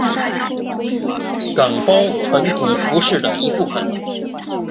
岗包传统服饰的一部分。